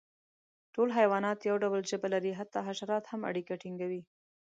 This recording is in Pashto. ټول حیوانات یو ډول ژبه لري، حتی حشرات هم اړیکه ټینګوي.